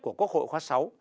của quốc hội khóa sáu